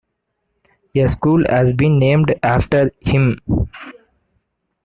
A school has been named after him.